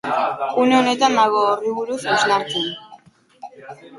Une honetan nago horri buruz hausnartzen.